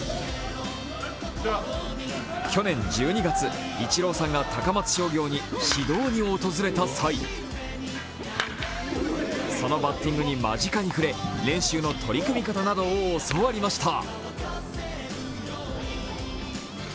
去年１２月、イチローさんが高松商業に指導に訪れた際、そのバッティングに間近に触れ練習の取り組み方などを教わりました。